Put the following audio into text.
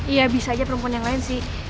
iya bisa aja perempuan yang lain sih